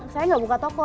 saya enggak buka toko